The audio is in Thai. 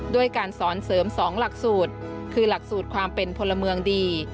ด้วยการสอนเสริม๒หลักสูตรคือหลักสูตรความเป็นพลเมืองดี